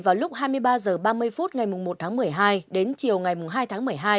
vào lúc hai mươi ba h ba mươi phút ngày một tháng một mươi hai đến chiều ngày hai tháng một mươi hai